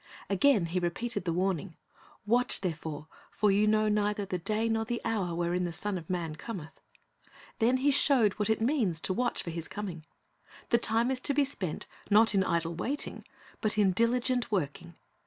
Again He repeated the warning, "Watch therefore; for ye know neither the day nor the hour wherein the Son of man Cometh." Then He showed what it means to watch for His coming. The time is to be spent, not in idle waiting, but in diligent working.